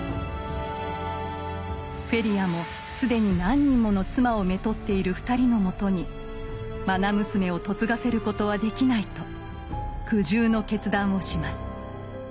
フェリアも既に何人もの妻をめとっている２人のもとにまな娘を嫁がせることはできないと苦渋の決断をします。